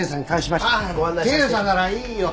検査ならいいよ。